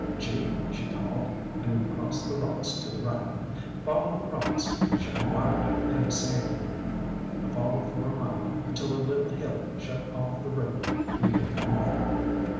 "Gee," she called, and we crossed the rocks to the right. "Follow the rocks shy wide of any sand." I followed for a mile, until a little hill shut off the route we had come by.